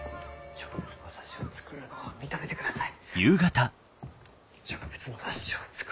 植物の雑誌を作るがを認めてください。